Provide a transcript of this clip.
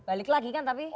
balik lagi kan tapi